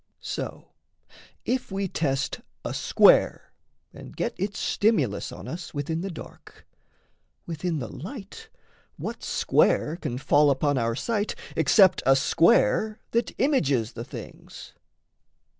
So, if we test A square and get its stimulus on us Within the dark, within the light what square Can fall upon our sight, except a square That images the things?